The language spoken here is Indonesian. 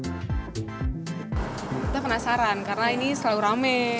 kita penasaran karena ini selalu rame